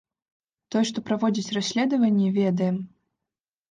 Тое, што праводзяць расследаванне, ведаем.